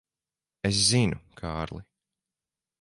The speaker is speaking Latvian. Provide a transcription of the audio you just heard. Es zinu, Kārli.